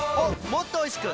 もっとおいしく！